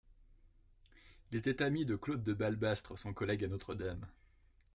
Il était ami de Claude Balbastre, son collègue à Notre-Dame.